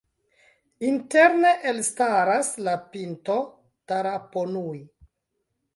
Interne elstaras la pinto Taraponui.